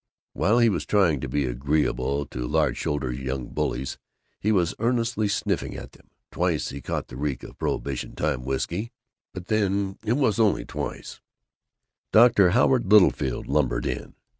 While he was trying to be agreeable to large shouldered young bullies he was earnestly sniffing at them. Twice he caught the reek of prohibition time whisky, but then, it was only twice Dr. Howard Littlefield lumbered in.